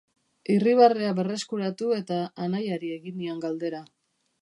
Irribarrea berreskuratu eta anaiari egin nion galdera.